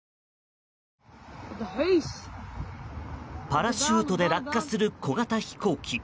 パラシュートで落下する小型飛行機。